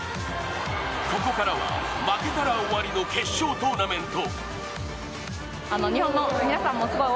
ここからは負けたら終わりの決勝トーナメント。